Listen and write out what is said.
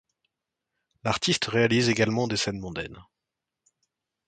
L’artiste réalise également des scènes mondaines.